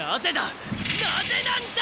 なぜなんだ！